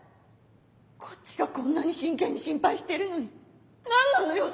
こっちがこんなに真剣に心配してるのに何なのよ？